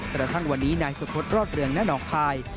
แต่ละทั้งวันนี้นายสะพดรอดเรืองณพาย